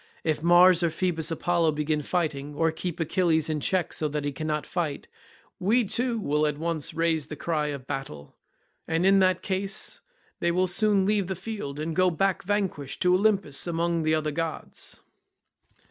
If Mars or Phoebus Apollo begin fighting, or keep Achilles in check so that he cannot fight, we too, will at once raise the cry of battle, and in that case they will soon leave the field and go back vanquished to Olympus among the other gods."